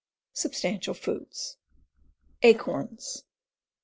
SUBSTANTIAL FOODS Acorns.